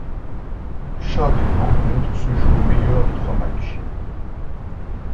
Chaque rencontre se joue au meilleur des trois matchs.